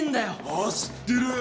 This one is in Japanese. あっ知ってる。